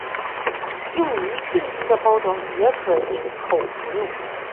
用于静滴的包装也可经口服用。